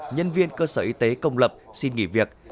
nhân viên cơ sở y tế công lập xin nghỉ việc